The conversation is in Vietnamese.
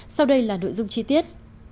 sau đây là nội dung chi tiết